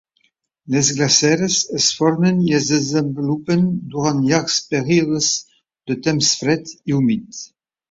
Les glaceres es formen i es desenvolupen durant llargs períodes de temps fred i humit.